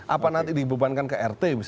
apa nanti dibubankan ke rt